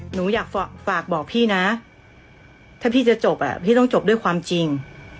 หนูอยากฝากบอกพี่นะถ้าพี่จะจบพี่ต้องจบด้วยความจริง